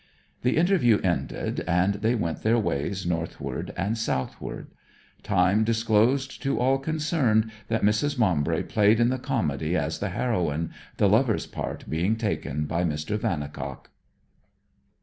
The interview ended, and they went their ways northward and southward. Time disclosed to all concerned that Mrs. Maumbry played in the comedy as the heroine, the lover's part being taken by Mr. Vannicock.